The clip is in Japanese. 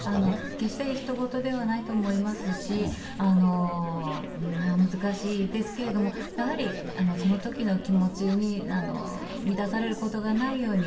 決してひと事ではないと思いますし、難しいですけれども、やはりそのときの気持ちに乱されることがないように、